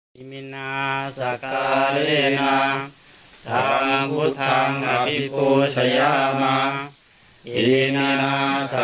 มีฌาติเหมือนซากาเลน่าท่านบุตต่างวัควชมิมัสโตจรังบอกท่ามงานว่าสงสัยมา